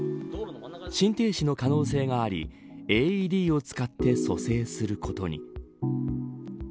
心停止の可能性がありＡＥＤを使って蘇生することに。